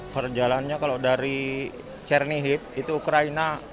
perjalannya kalau dari chernihip itu ukraina